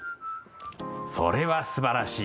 それはすばらしい。